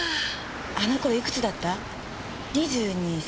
あの頃いくつだった？